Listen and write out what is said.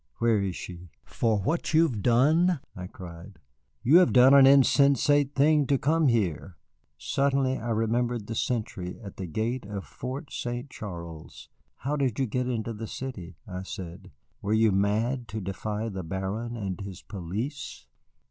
"Where is she?" "For what you have done?" I cried; "you have done an insensate thing to come here." Suddenly I remembered the sentry at the gate of Fort St. Charles. "How did you get into the city?" I said; "were you mad to defy the Baron and his police?"